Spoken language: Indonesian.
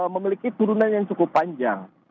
memiliki turunan yang cukup panjang